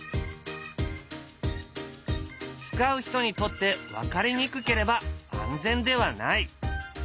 使う人にとって分かりにくければ安全ではない。